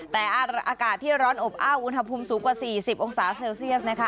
แต่อากาศที่ร้อนอบอ้าวอุณหภูมิสูงกว่า๔๐องศาเซลเซียสนะคะ